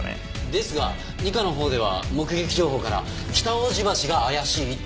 ですが二課のほうでは目撃情報から北大路橋が怪しいって。